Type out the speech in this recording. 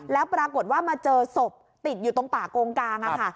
แล้วปรากฏว่ามาเจอศพติดอยู่ตรงป่าโกงกลาง